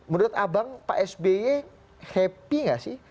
menurut abang pak sby happy gak sih